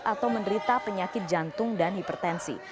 atau menderita penyakit jantung dan hipertensi